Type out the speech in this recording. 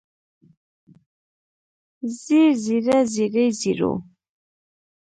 زېړ زېړه زېړې زېړو